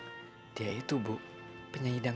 yang nyanyinya pakai gelobak doang